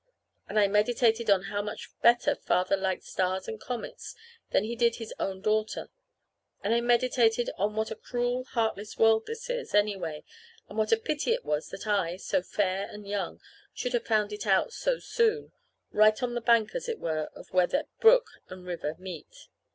And I meditated on how much better Father liked stars and comets than he did his own daughter; and I meditated on what a cruel, heartless world this is, anyway, and what a pity it was that I, so fair and young, should have found it out so soon right on the bank, as it were, or where that brook and river meet.